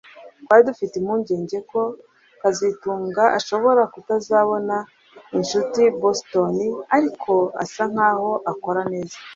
Twari dufite impungenge ko kazitunga ashobora kutazabona inshuti i Boston ariko asa nkaho akora neza